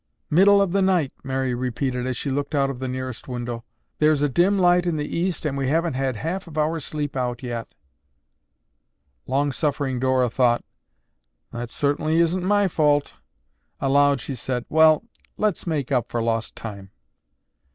"Middle of the night," Mary repeated as she looked out of the nearest window. "There's a dim light in the East and we haven't had half of our sleep out yet." Long suffering Dora thought, "That certainly isn't my fault." Aloud she said, "Well, let's make up for lost time."